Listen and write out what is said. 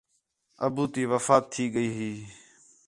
ابو تی وفات تھی ڳئی ہی